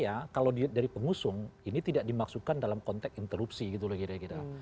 ya kalau dari pengusung ini tidak dimaksudkan dalam konteks interupsi gitu loh kira kira